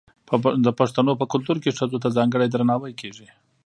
د پښتنو په کلتور کې ښځو ته ځانګړی درناوی کیږي.